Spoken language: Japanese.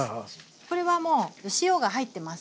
これはもう塩が入ってます。